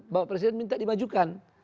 bapak presiden minta dimajukan